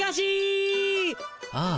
ああ